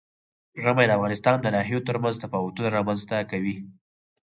ژمی د افغانستان د ناحیو ترمنځ تفاوتونه رامنځ ته کوي.